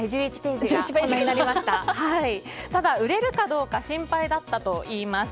ただ、売れるかどうか心配だったといいます。